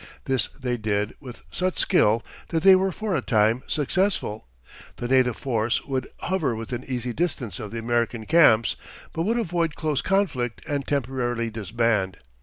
This they did with such skill that they were for a time successful. The native force would hover within easy distance of the American camps, but would avoid close conflict and temporarily disband.